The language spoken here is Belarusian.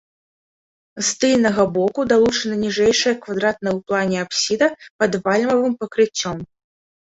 З тыльнага боку далучана ніжэйшая квадратная ў плане апсіда пад вальмавым пакрыццём.